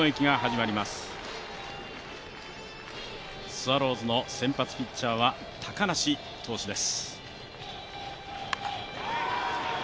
スワローズの先発ピッチャーは高梨投手です。